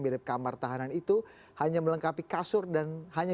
mirip kamar tahanan itu hanya